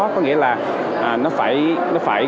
có nghĩa là nó phải